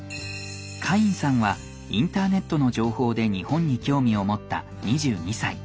カインさんはインターネットの情報で日本に興味を持った２２歳。